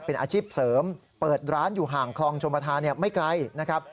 เป็นอาชีพเสริมเปิดร้านอยู่ห่างคลองชมประธานไม่ไกลนะครับ